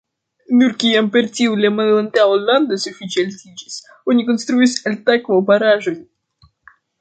Nur kiam per tio la malantaŭa lando sufiĉe altiĝis, oni konstruis altakvo-baraĵojn.